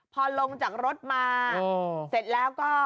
พอลงจากรถมาเสร็จแล้วก็